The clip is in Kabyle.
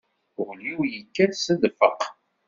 Ul-iw yekkat s ddfeq.